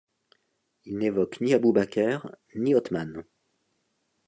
Il n'évoque ni Abu Bakr, ni Othman.